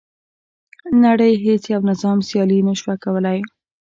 نړۍ هیڅ یو نظام سیالي نه شوه کولای.